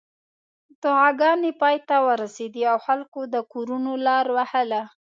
دعاګانې پای ته ورسېدې او خلکو د کورونو لار وهله.